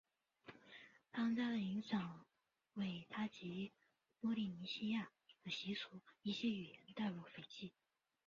汤加的影响为他将波利尼西亚的习俗和一些语言带入斐济。